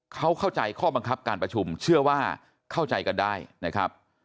เขาเข้าใจข้อบังคับการประชุมเชื่อว่าเข้าใจกันได้นะครับ